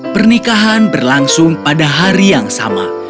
pernikahan berlangsung pada hari yang sama